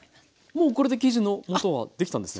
もうこれで生地のもとはできたんですね？